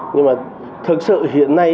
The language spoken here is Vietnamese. nhưng mà thực sự hiện nay